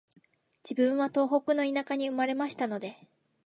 自分は東北の田舎に生まれましたので、